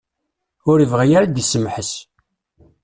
Ur ibɣi ara ad d-isemḥes.